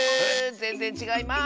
ぜんぜんちがいます！